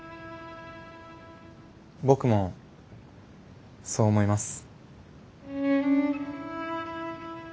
僕もそう思います。